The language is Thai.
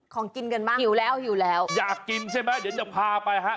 ของกินกันบ้างหิวแล้วหิวแล้วอยากกินใช่ไหมเดี๋ยวจะพาไปฮะ